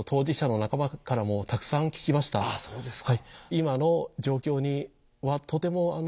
そうですか。